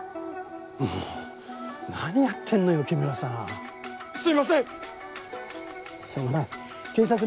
もう何やってんのよ木村さんすいません！